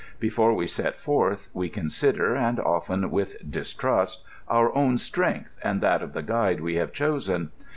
Before we set forth, we consider, and oflen with distrust, our own strength, and that of the guide we have chosen.